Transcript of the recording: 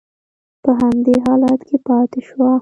په همدې حالت کې پاتې شوه.